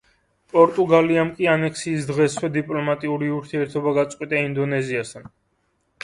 პორტუგალიამ კი ანექსიის დღესვე დიპლომატიური ურთიერთობა გაწყვიტა ინდონეზიასთან.